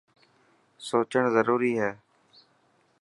سوچڻ ضروري هي.